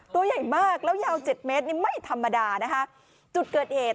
ตัวใหญ่มากแล้วยาว๗เมตรไม่ธรรมดานะครับ